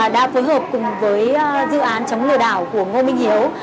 đã phối hợp cùng với dự án chống lừa đảo của ngô minh hiếu